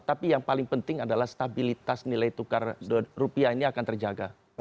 tapi yang paling penting adalah stabilitas nilai tukar rupiah ini akan terjaga